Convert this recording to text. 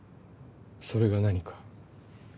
それが何か？